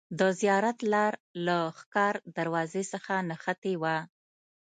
د زیارت لار له ښکار دروازې څخه نښتې وه.